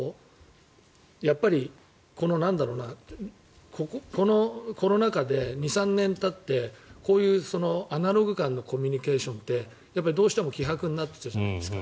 やっぱり、このコロナ禍で２３年たってこういうアナログ感のコミュニケーションってどうしても希薄になってたじゃないですか。